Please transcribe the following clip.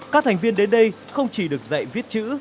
các thành viên đến đây không chỉ được dạy viết chữ